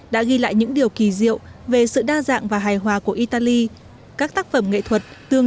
đã ghi lại những điều kỳ diệu về sự đa dạng và hài hòa của italy các tác phẩm nghệ thuật tương